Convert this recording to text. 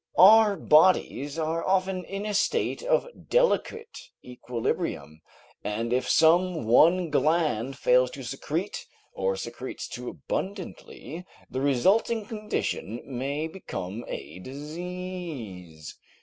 Our bodies are often in a state of delicate equilibrium, and if some one gland fails to secrete, or secretes too abundantly, the resulting condition may become a disease.